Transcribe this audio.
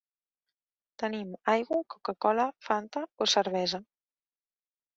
Tenim aigua, coca-cola, fanta o cervesa.